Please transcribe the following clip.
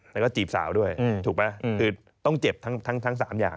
แล้วก็จีบสาวด้วยถูกไหมคือต้องเจ็บทั้ง๓อย่าง